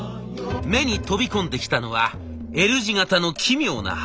目に飛び込んできたのはＬ字型の奇妙な販売スペース。